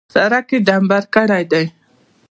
سړک یې ډامبر کړی دی.